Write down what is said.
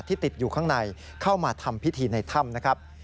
ติดอยู่ข้างในเข้ามาทำพิธีในถ้ำนะครับ